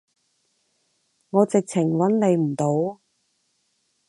我直情揾你唔到